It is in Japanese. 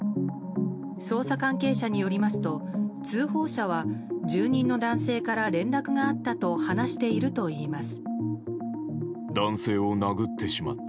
捜査関係者によりますと通報者は住人の男性から連絡があったと話しているといいます。